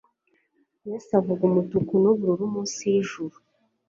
Yesu avuga umutuku nubururu munsi yijuru